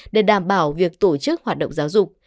để đảm bảo việc tổ chức hoạt động giáo dục